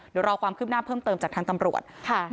เดี๋ยวรอความคืบหน้าเพิ่มเติมจากทางตำรวจ